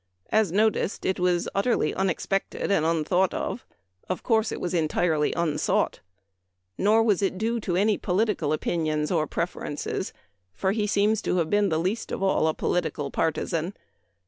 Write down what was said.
As noticed, it was utterly unexpected and un thought of ; of course it was entirely unsought. Nor was it due to any political opinions or preferences, for he seems to have been the least of all a political partisan.